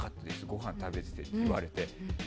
ご飯を食べててって言われて。